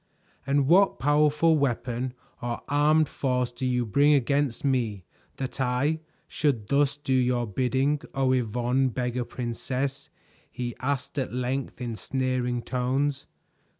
"And what powerful weapon or armed force do you bring against me that I should thus do your bidding, O Yvonne, Beggar Princess?" he asked at length in sneering tones.